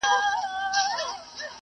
دښمن ته د بدو سترګو اجازه مه ورکوئ.